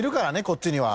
こっちには。